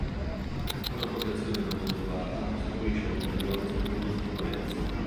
Una protezione non adeguata costituisce un ulteriore spunto di debolezza.